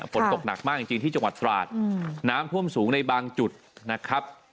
ฝนตกหนักมากจริงที่จังหวัดตราดน้ำท่วมสูงในบางจุดนะครับ